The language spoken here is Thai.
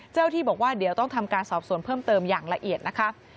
เจ้าที่บอกว่าเดี๋ยวต้องทำการสอบสวนเพิ่มเติมอย่างละเอียดนะคะ